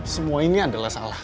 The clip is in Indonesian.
semua ini adalah salah